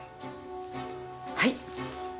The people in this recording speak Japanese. はい。